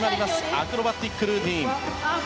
アクロバティックルーティン。